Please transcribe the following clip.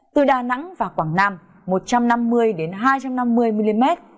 từ đà nẵng và quảng nam một trăm năm mươi hai trăm năm mươi mm